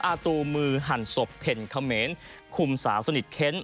อาตูมือหั่นศพเพ่นเขมรคุมสาวสนิทเค้น